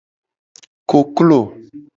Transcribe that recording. Koklo.